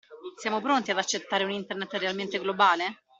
Siamo pronti ad accettare un Internet realmente globale?